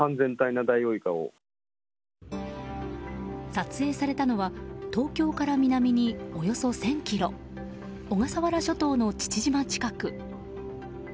撮影されたのは東京から南におよそ１０００ｋｍ小笠原諸島の父島近く。